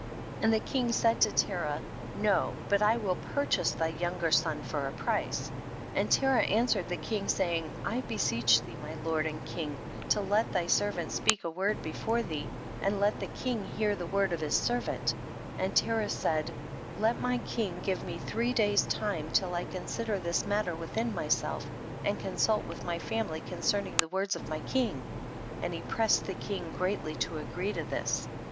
29. And the king said to Terah, no, but I will purchase thy younger son for a price. 30. And Terah answered the king, saying, I beseech thee my lord and king to let thy servant speak a word before thee, and let the king hear the word of his servant, and Terah said, let my king give me three days time till I consider this matter within myself, and consult with my family concerning the words of my king ; and he pressed the king greatly to agree to this.